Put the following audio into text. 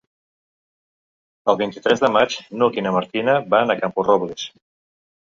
El vint-i-tres de maig n'Hug i na Martina van a Camporrobles.